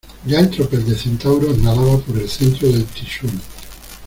ya el tropel de centauros nadaba por el centro del Tixul